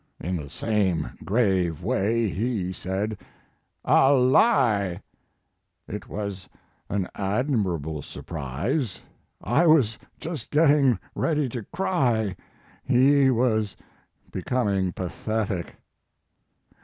<( In the same grave way he said: (< A lie/ It was an admirable surprise. I was just getting ready to cry; he was becom ing pathetic.